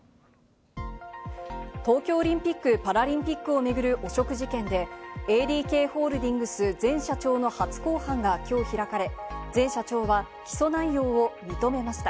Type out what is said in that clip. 東京オリンピック・パラリンピックを巡る汚職事件で、ＡＤＫホールディングス前社長の初公判が今日開かれ、前社長は起訴内容を認めました。